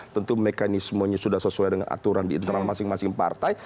tentu mekanismenya sudah sesuai dengan aturan di internal masing masing partai